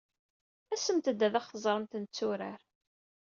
Asemt-d ad aɣ-teẓremt netturar.